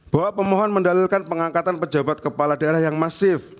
bahwa pemohon mendalilkan pengangkatan pejabat kepala daerah yang masif